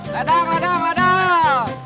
ladang ladang ladang